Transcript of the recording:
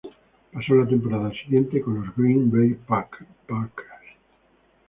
Pasó la temporada siguiente con los Green Bay Packers.